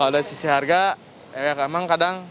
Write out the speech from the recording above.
kalau dari sisi harga ya kak emang kadang